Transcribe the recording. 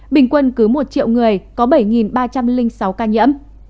bình quân cứ một triệu người có bảy ba trăm linh sáu ca nhiễm